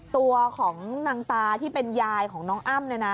ตัวของนางตาที่เป็นยายของน้องอ้ำ